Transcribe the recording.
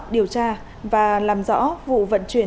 điều tra và làm rõ vụ vận chuyển